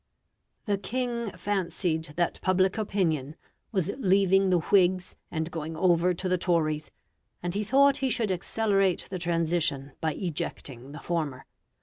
The king fancied that public opinion was leaving the Whigs and going over to the Tories, and he thought he should accelerate the transition by ejecting the former.